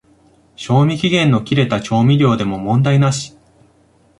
賞味期限の切れた調味料でも問題なし